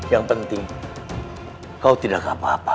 yang penting kau tidak apa apa